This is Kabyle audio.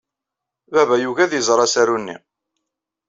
Baba yugi ad iẓer asaru-nni.